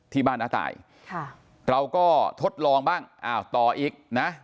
บ้านน้าตายค่ะเราก็ทดลองบ้างอ้าวต่ออีกนะ